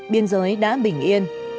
biên giới đã bình yên